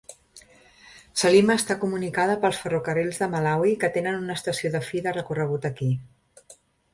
Salima està comunicada pels Ferrocarrils de Malawi que tenen una estació de fi de recorregut aquí.